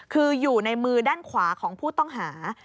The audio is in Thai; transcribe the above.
คืออยู่ในมือด้านขวาของผู้ต้องหา